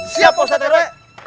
siap pak ustad terwe